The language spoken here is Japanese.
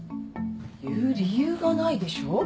言う理由がないでしょ。